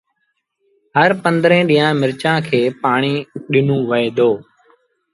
هر پنڌرين ڏيݩهآ ن مرچآݩ کي پآڻي ڏنو وهي دو